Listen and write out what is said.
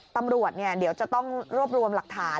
ตำรวจเดี๋ยวจะต้องรวบรวมหลักฐาน